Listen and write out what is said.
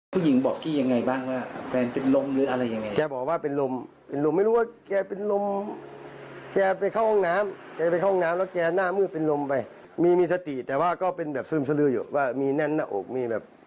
ผู้หญิงบอกกี้ง่ายบ้างว่าแฟนเป็นลมหรือว่าอะไรสิ